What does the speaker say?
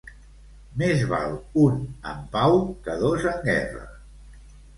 Més val un en pau, que dos en guerra.